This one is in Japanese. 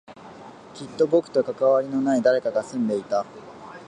きっと僕と関わりのない誰かが住んでいた